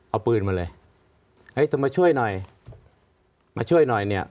เอาปืนมาเลยเฮ้ยจะมาช่วยหน่อยมาช่วยหน่อยเนี่ย